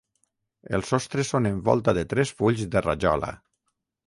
Els sostres són en volta de tres fulls de rajola.